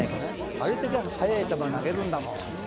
あれだけ速い球投げるんだもん。